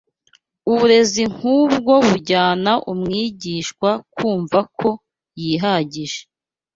Uburezi nk’ubwo bujyana umwigishwa ku kumva ko yihagije